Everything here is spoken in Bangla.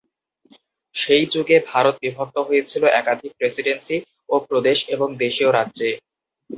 সেই যুগে ভারত বিভক্ত হয়েছিল একাধিক প্রেসিডেন্সি ও প্রদেশ এবং দেশীয় রাজ্যে।